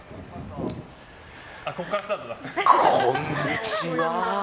こんにちは。